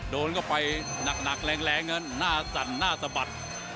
โดนเข้าไปหนักแรงเงินหน้าสั่นหน้าสะบัด